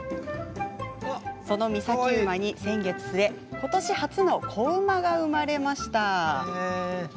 その岬馬に先月末ことし初の子馬が生まれました。